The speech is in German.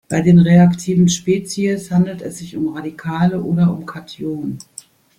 Bei den reaktiven Spezies handelt es sich um Radikale oder um Kationen.